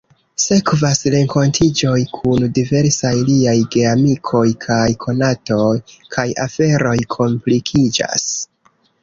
Sekvas renkontiĝoj kun diversaj liaj geamikoj kaj konatoj, kaj aferoj komplikiĝas.